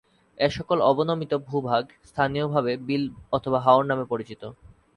এসকল অবনমিত ভূভাগ স্থানীয়ভাবে বিল অথবা হাওর নামে পরিচিত।